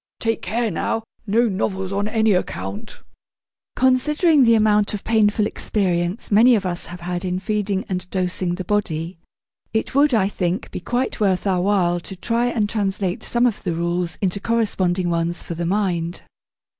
Take care now! No novels on any account!' Considering the amount of painful experience many of us have had in feeding and dosing the body, it would, I think, be quite worth our while to try and translate some of the rules into corresponding ones for the mind.